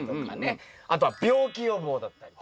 あとは病気予防だったりとか。